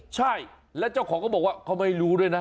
ใช่แล้วเจ้าของก็บอกว่าเขาไม่รู้ด้วยนะ